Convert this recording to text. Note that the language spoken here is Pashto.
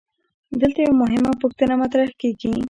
دلته یوه مهمه پوښتنه مطرح کیږي.